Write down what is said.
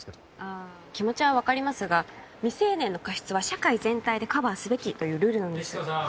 あ気持ちは分かりますが未成年の過失は社会全体でカバーすべきというルールなんです